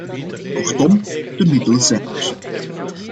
Kortom, de middelen zijn er.